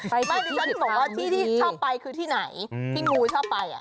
ไม่ดิฉันบอกว่าที่ที่ชอบไปคือที่ไหนที่งูชอบไป